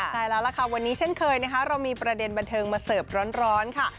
ใช่แล้วล่ะค่ะวันนี้เช่นเคยนะคะเรามีประเด็นบันเทิงมาเสิร์ฟร้อนค่ะ